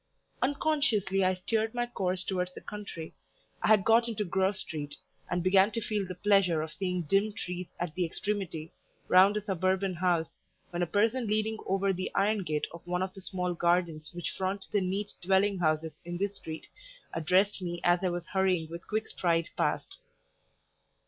Unconsciously I steered my course towards the country; I had got into Grove street, and began to feel the pleasure of seeing dim trees at the extremity, round a suburban house, when a person leaning over the iron gate of one of the small gardens which front the neat dwelling houses in this street, addressed me as I was hurrying with quick stride past.